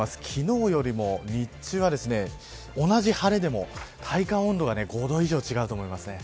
昨日よりも日中は同じ晴れでも体感温度が５度以上違うと思います。